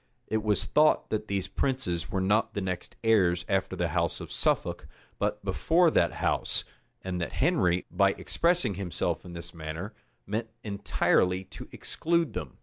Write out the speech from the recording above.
It was thought that these princes were not the next heirs after the house of Suffolk, but before that house; and that Henry, by expressing himself in this manner, meant entirely to exclude them.